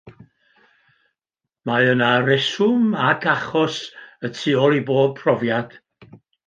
Mae yna reswm ac achos y tu ôl i bob profiad.